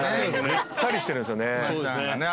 ぐったりしてるんですよね。